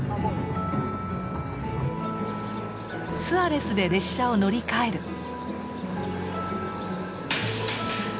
スアレスで列車を乗り換える。